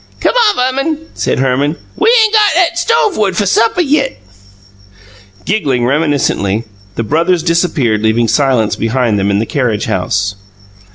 "Come on, Verman," said Herman. "We ain' go' 'at stove wood f' supper yit." Giggling reminiscently, the brothers disappeared leaving silence behind them in the carriage house.